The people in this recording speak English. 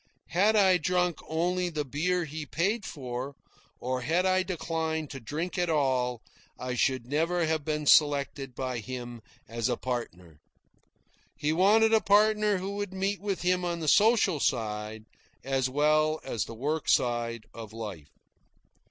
Had I drunk only the beer he paid for, or had I declined to drink at all, I should never have been selected by him as a partner. He wanted a partner who would meet him on the social side, as well as the work side of life.